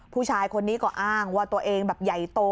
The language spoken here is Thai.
ผู้ชายคนนี้ก็อ้างว่าตัวเองแบบใหญ่โต